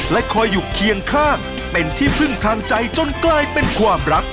และคอยอยู่เคียงข้างเป็นที่พึ่งทางใจจนกลายเป็นความรัก